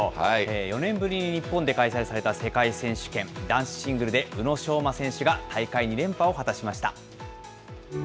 ４年ぶりに日本で開催された世界選手権、男子シングルで、宇野昌磨選手が大会２連覇を果たしました。